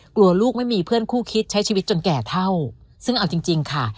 กลัวลูกไม่มีเพื่อนคู่คิดใช้ชีวิตจนแก่เท่าซึ่งเอาจริงจริงค่ะ